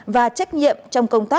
và trách nhiệm trong công tác